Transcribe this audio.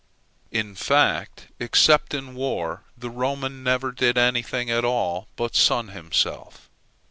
In fact, except in war, the Roman never did anything at all but sun himself.